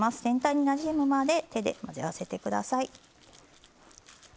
全体になじむまで手で混ぜてください。